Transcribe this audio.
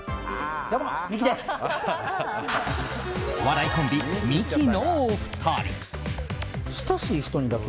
お笑いコンビ、ミキのお二人。